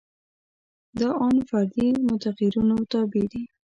دا ان فردي متغیرونو تابع دي.